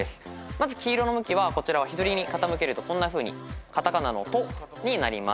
まず黄色の向きはこちらは左に傾けるとこんなふうにカタカナの「ト」になります。